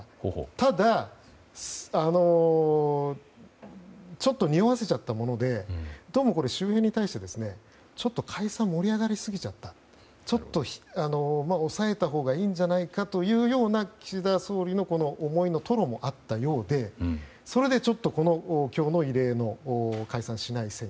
ただ、ちょっとにおわせちゃったものでどうも、周辺に対して解散が盛り上がりすぎたちょっと抑えたほうがいいんじゃないかというような岸田総理の思いの吐露もあったようでそれで、今日の異例の解散しないという。